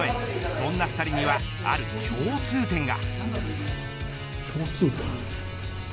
そんな２人にはある共通点が。